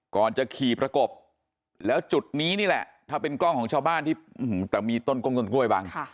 ก่อนจะขี่ประกบแล้วจุดนี้นี่แหละถ้าเป็นกล้องของชาวบ้านที่แต่มีต้นกงต้นกล้วยบัง